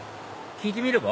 聞いてみれば？